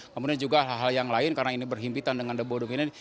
kemudian juga hal hal yang lain karena ini berhimpitan dengan the bodong ini